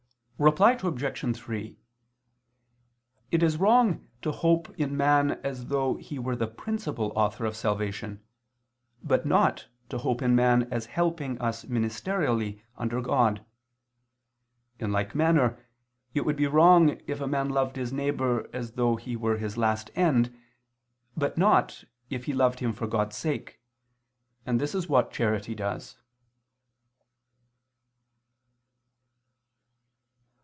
Reply Obj. 3: It is wrong to hope in man as though he were the principal author of salvation, but not, to hope in man as helping us ministerially under God. In like manner it would be wrong if a man loved his neighbor as though he were his last end, but not, if he loved him for God's sake; and this is what charity does.